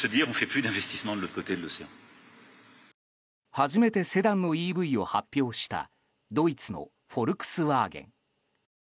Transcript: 初めてセダンのＥＶを発表したドイツのフォルクスワーゲン。